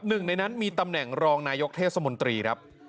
หนึ่งในนั้นมีตำแหน่งรองนายกเทศมนตรีครับ